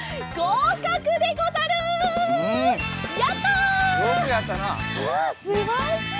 うんすばらしい！